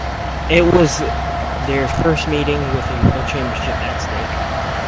It was their first meeting with a world championship at stake.